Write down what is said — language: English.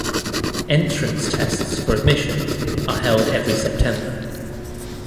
Entrance tests for admission are held every September.